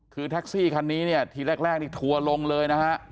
คือแท็กซี่คันนี้เนี่ยทีแรกนี่ทัวร์ลงเลยนะฮะ